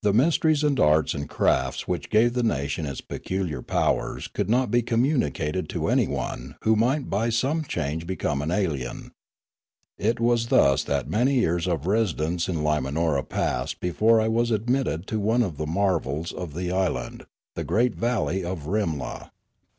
The mysteries and arts and crafts which gave the nation its peculiar powers could not be communicated to anyone who might by some change become an alien. It was thus that many years of residence in Limanora passed 99 ioo Limanora before I was admitted to one of the marvels of the island, the great valley of Rimla.